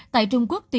tại trung quốc